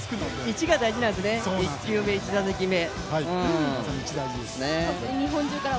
１が大事なんですね、１球目、１打席目。